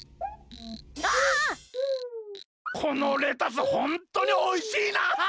このレタスホントにおいしいなあ！